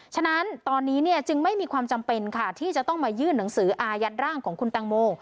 ฉะนั้นตอนนี้จึงไม่มีความจำเป็นค่ะที่จะต้องมายื่นหนังสืออายัดร่างของคุณตังโม